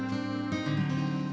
aku mau ke rumah